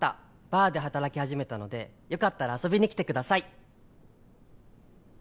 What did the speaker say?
バーで働き始めたのでよかったら遊びに来て下さい！」。